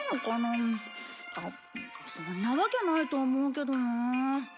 そんなわけないと思うけどな。